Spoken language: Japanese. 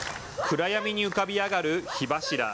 暗闇に浮かび上がる火柱。